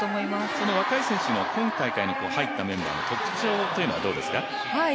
その若い選手の今大会に入った選手の特徴はどうですか？